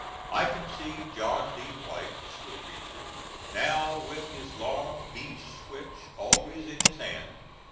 I can see John D. White the school teacher now, with his long beech switch always in his hand.